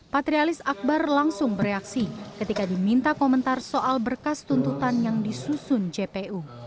patrialis akbar langsung bereaksi ketika diminta komentar soal berkas tuntutan yang disusun jpu